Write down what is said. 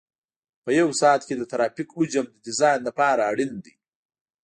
په یو ساعت کې د ترافیک حجم د ډیزاین لپاره اړین دی